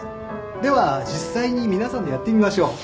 では実際に皆さんでやってみましょう